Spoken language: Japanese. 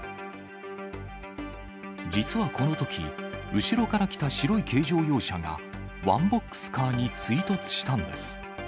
実はこのとき、後ろから来た白い軽乗用車がワンボックスカーに追突したんです。